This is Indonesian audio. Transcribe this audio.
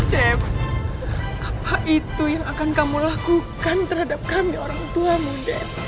dep apa itu yang akan kamu lakukan terhadap kami orang tuamu dep